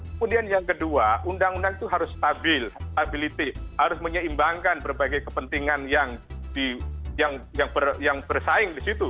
kemudian yang kedua undang undang itu harus stabil stability harus menyeimbangkan berbagai kepentingan yang bersaing di situ